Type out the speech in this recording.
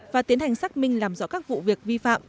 và tiến hành xác minh làm rõ các vụ việc vi phạm